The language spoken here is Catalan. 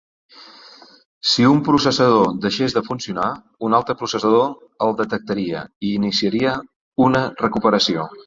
Si un processador deixés de funcionar, un altre processador el detectaria i iniciaria una recuperació.